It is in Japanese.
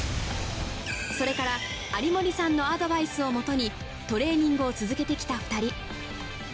それから有森さんのアドバイスをもとにトレーニングを続けてきた２人。